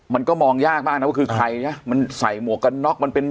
มันก็มองยากมากนะว่าคือใครนะมันใส่หมวกกันน็อกมันเป็น